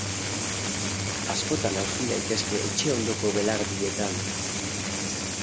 Askotan aurki daitezke etxe ondoko belardietan.